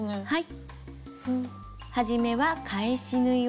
はい。